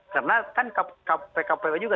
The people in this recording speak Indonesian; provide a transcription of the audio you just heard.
karena kan pkpw juga